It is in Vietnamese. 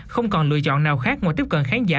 không còn lựa chọn nào khác ngoài tiếp cận khán giả